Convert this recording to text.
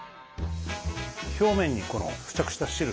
表面に付着した汁。